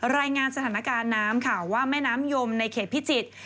รายงานสถานการณ์น้ำค่ะว่าแม่น้ำยมในเขตพิจิตร